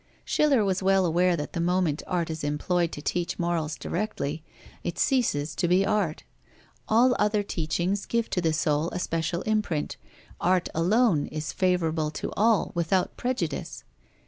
Schiller was well aware that the moment art is employed to teach morals directly, it ceases to be art. All other teachings give to the soul a special imprint. Art alone is favourable to all without prejudice.